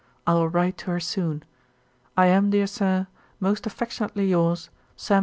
I will write to her soon. 'I am, dear Sir, 'Most affectionately yours, 'SAM.